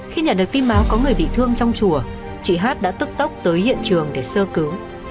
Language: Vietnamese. khi nhận được tin báo có người bị thương trong chùa chị hát đã tức tốc tới hiện trường để sơ cứu